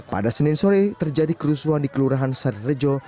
pada senin sore terjadi kerusuhan di kelurahan sari rejo